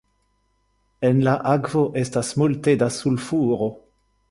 En la akvo estas multe da sulfuro.